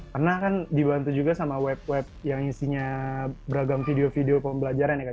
karena kan dibantu juga sama web web yang isinya beragam video video pembelajaran ya kan